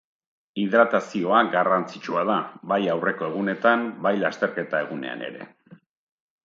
Hidratazioa garrantzitsua da bai aurreko egunetan bai lasterketa egunean ere.